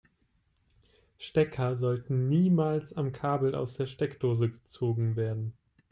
Stecker sollten niemals am Kabel aus der Steckdose gezogen werden.